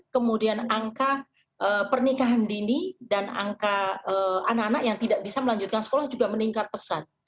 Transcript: kemudian angka pernikahan dini dan angka anak anak yang tidak bisa melanjutkan sekolah juga meningkat pesat